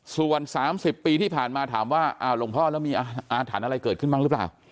ส่วน๓๐ปีที่ผ่านมาถามว่าอ้าวหลวงพ่อแล้วมีอาถรรพ์อะไรเกิดขึ้นบ้างหรือเปล่า